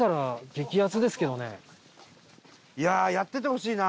いやあやっててほしいな。